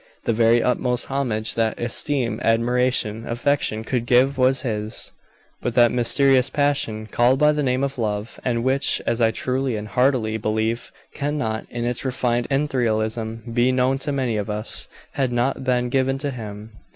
The very utmost homage that esteem, admiration, affection could give was his, but that mysterious passion called by the name of love, and which, as I truly and heartily believe, cannot, in its refined etherealism, be known to many of us, had not been given to him.